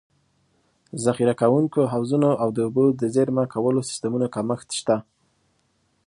ذخیره کوونکو حوضونو او د اوبو د زېرمه کولو سیستمونو کمښت شته.